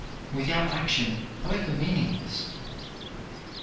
Without action both are meaningless.